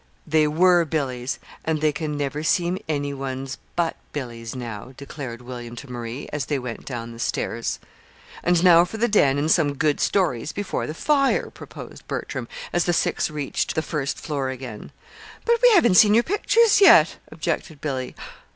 "They were Billy's and they can never seem any one's but Billy's, now," declared William to Marie, as they went down the stairs. "And now for the den and some good stories before the fire," proposed Bertram, as the six reached the first floor again. "But we haven't seen your pictures, yet," objected Billy.